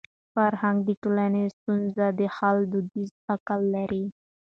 فرهنګ د ټولني د ستونزو د حل دودیز عقل لري.